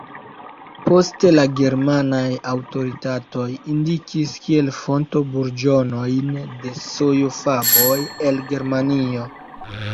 Poste la germanaj aŭtoritatoj indikis kiel fonto burĝonojn de sojo-faboj el Germanio.